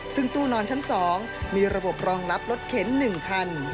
ซึ่งตู้นอนชั้น๒มีระบบรองรับรถเข็น๑คัน